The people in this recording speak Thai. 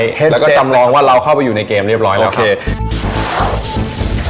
แล้วก็จำลองว่าเราเข้าไปอยู่ในเกมเรียบร้อยแล้วโอเคครับ